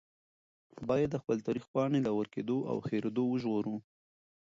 باید د خپل تاریخ پاڼې له ورکېدو او هېرېدو وژغورو.